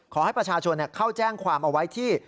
ขอให้ประชาชนเข้าแจ้งความเอาไว้ที่